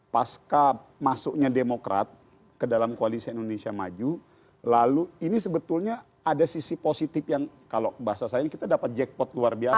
pasca masuknya demokrat ke dalam koalisi indonesia maju lalu ini sebetulnya ada sisi positif yang kalau bahasa saya ini kita dapat jackpot luar biasa